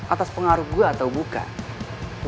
atas pengaruh gue atau bukan